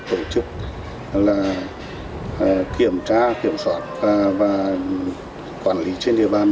tội phạm trộn các tài sản đã được kiểm tra kiểm soát và quản lý trên địa bàn